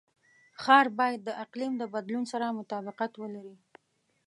ښار باید د اقلیم د بدلون سره مطابقت ولري.